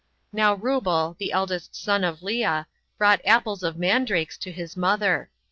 Now Reubel, the eldest son of Lea, brought apples of mandrakes 36 to his mother.